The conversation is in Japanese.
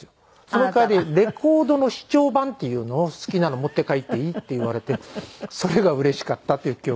その代わりレコードの試聴盤っていうのを好きなの持って帰っていいって言われてそれがうれしかったっていう記憶はあります。